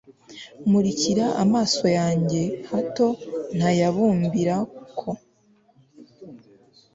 murikira amaso yanjye, hato ntayabumbirako